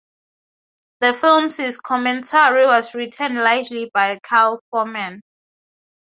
The film's commentary was written largely by Carl Foreman.